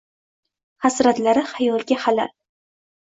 Hasratlari xayolga xalal.